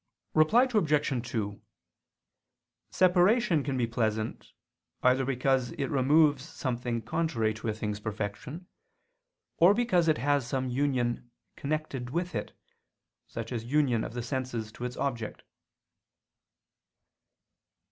Reply Obj. 2: Separation can be pleasant, either because it removes something contrary to a thing's perfection, or because it has some union connected with it, such as union of the sense to its object.